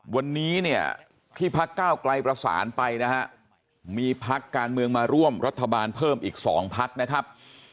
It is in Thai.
วันนี้เนี่ยที่พักเก้าไกลประสานไปนะฮะมีพักการเมืองมาร่วมรัฐบาลเพิ่มอีก๒พักนะครับ